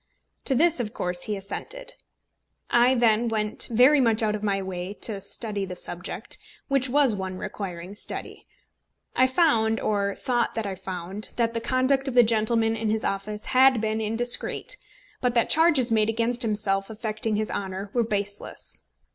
To this of course he assented. I then went very much out of my way to study the subject, which was one requiring study. I found, or thought that I found, that the conduct of the gentleman in his office had been indiscreet; but that charges made against himself affecting his honour were baseless.